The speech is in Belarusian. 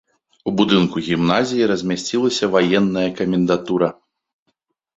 У будынку гімназіі размясцілася ваенная камендатура.